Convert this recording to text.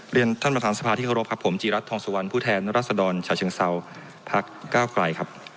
เรียนท่านประธานสภาที่เคารพครับผมจีรัฐทองสุวรรณผู้แทนรัศดรชาเชิงเซาพักเก้าไกลครับ